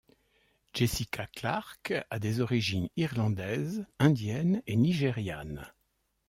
Jessica Clark a des origines irlandaises, indiennes et nigérianes.